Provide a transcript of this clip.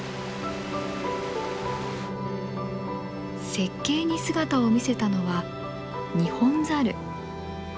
雪渓に姿を見せたのはニホンザル。